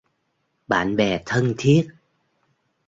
Bạn bè thân thiết